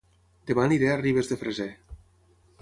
Dema aniré a Ribes de Freser